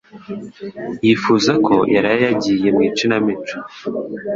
Yifuza ko yaraye yagiye mu ikinamico.